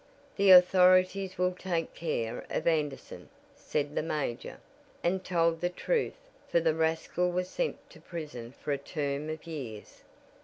"The authorities will take care of Anderson," said the major, and told the truth, for the rascal was sent to prison for a term of years.